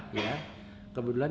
kemudian ada jumlah yang dilakukan